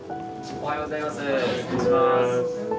おはようございます。